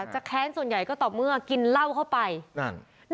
แค้นส่วนใหญ่ก็ต่อเมื่อกินเหล้าเข้าไปนั่น